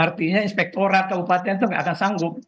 artinya inspektorat kabupaten itu tidak akan sanggup